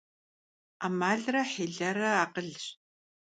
Ӏэмалрэ хьилэрэ акъылщ.